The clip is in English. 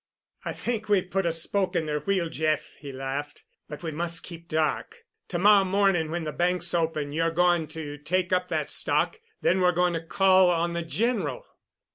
"I think we've put a spoke in their wheel, Jeff," he laughed. "But we must keep dark. To morrow morning when the banks open you're going to take up that stock, then we're going to call on the General."